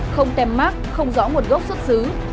không tem mát không rõ một gốc xuất xứ